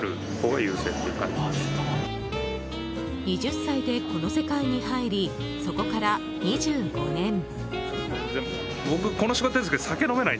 二十歳で、この世界に入りそこから２５年。